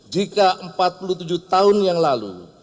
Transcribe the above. jika empat puluh tujuh tahun yang lalu